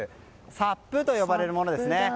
ＳＵＰと呼ばれるものですね。